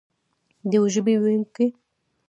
د یوې ژبې ویونکي.